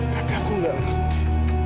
tapi aku gak ngerti